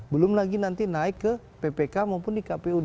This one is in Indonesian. belum lagi nanti naik ke ppk maupun di kpud